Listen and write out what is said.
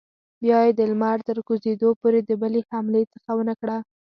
بیا یې د لمر تر کوزېدو پورې د بلې حملې هڅه ونه کړه.